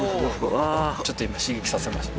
ちょっと今刺激させました。